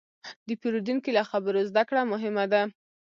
د پیرودونکي له خبرو زدهکړه مهمه ده.